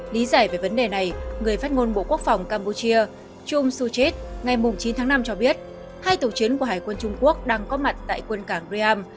lý giải về vấn đề này người phát ngôn bộ quốc phòng campuchia chung suchit ngày chín tháng năm cho biết hai tàu chiến của hải quân trung quốc đang có mặt tại quân cảng raam